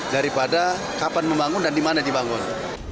daripada kapan membangun dan di mana dibangun